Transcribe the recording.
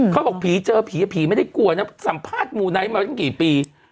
เขาบอกผีเจอผีผีไม่ได้กลัวนะสัมภาษณ์มูไนท์มาตั้งกี่ปี